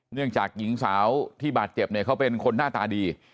เนื่องจากหญิงสาวที่บาดเจ็บเนี่ยเขาเป็นคนหน้าตาดี